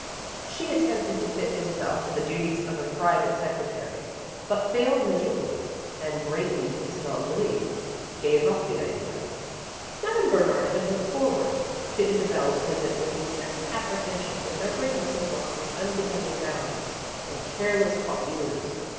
She attempted to fit Isabel for the duties of a private secretary, but failed miserably, and, greatly to Isabel's relief, gave up the idea. Madame Bernard had looked forward to Isabel's visit with a certain apprehension, remembering Mrs. Ross's unbecoming gowns and careless coiffures.